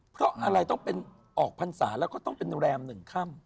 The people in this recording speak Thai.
เพราะอะไรต้องเป็นออกพรรษาแล้วก็ต้องเป็นแรม๑ค่ำ